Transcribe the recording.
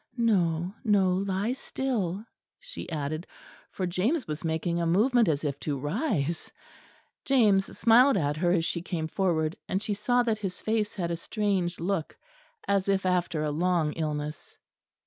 No, no, lie still," she added; for James was making a movement as if to rise. James smiled at her as she came forward; and she saw that his face had a strange look as if after a long illness.